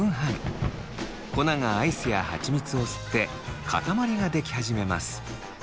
粉がアイスやハチミツを吸って塊ができ始めます。